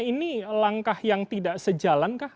ini langkah yang tidak sejalan kah